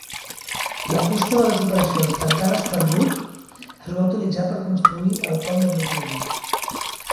La fusta de les operacions tancades per Buck es va utilitzar per construir el Pont de Brooklyn.